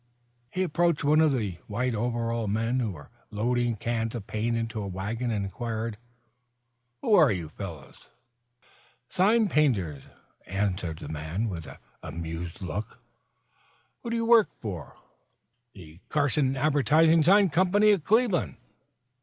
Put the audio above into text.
He approached one of the white overalled men who was loading cans of paint into a wagon and inquired: "Who are you fellows?" "Sign painters," answered the man, with an amused look. "Who do you work for?" "The Carson Advertising Sign Company of Cleveland."